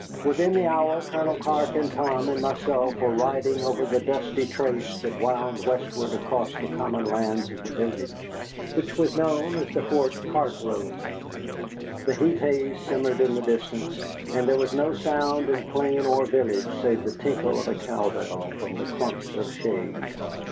Within the hour Colonel Clark and Tom and myself were riding over the dusty trace that wound westward across the common lands of the village, which was known as the Fort Chartres road. The heat haze shimmered in the distance, and there was no sound in plain or village save the tinkle of a cowbell from the clumps of shade.